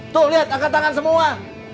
tuh lihat angkat tangan semua